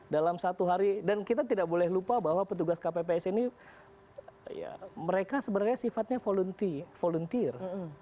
dalam satu hari dan kita tidak boleh lupa bahwa petugas kpps ini mereka sebenarnya sifatnya volunteer